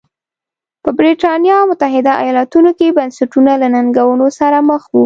په برېټانیا او متحده ایالتونو کې بنسټونه له ننګونو سره مخ وو.